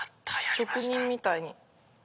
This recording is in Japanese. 職人みたいに。